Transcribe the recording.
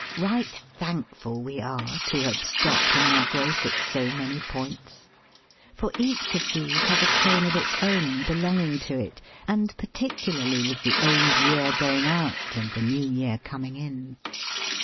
Right thankful we are to have stopped in our growth at so many points — for each of these has a train of its own belonging to it — and particularly with the Old Year going out and the New Year coming in.